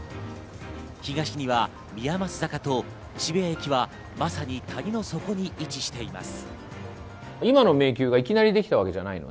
東には、宮益坂と渋谷駅はまさに谷の底に位置しています。